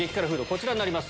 こちらになります。